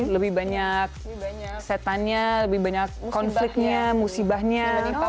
lebih banyak setannya lebih banyak konfliknya musibahnya